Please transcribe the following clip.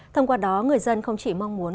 thông qua đó người dân không chỉ mong muốn